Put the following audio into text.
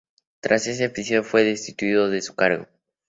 Tras este episodio, fue destituido de su cargo.